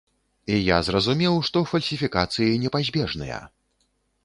І я зразумеў, што фальсіфікацыі непазбежныя.